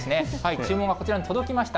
注文がこちらに届きました。